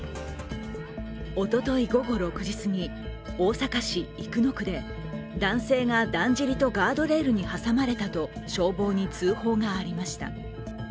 おととい午後６時すぎ大阪市生野区で、男性がだんじりとガードレールに挟まれたと消防に通報がありました。